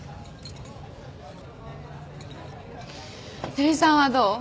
照井さんはどう？